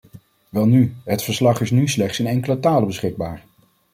Welnu, het verslag is nu slechts in enkele talen beschikbaar.